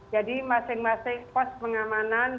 jadi masing masing postpengamanan